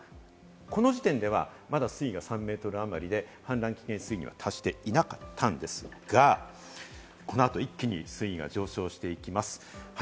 この時点ではまだ水位が３ｍあまりで、氾濫危険水位には達していなかったんですが、この後、一気に水位が上昇していきます。